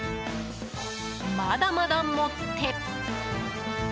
まだまだ盛って。